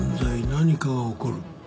何かが起こる。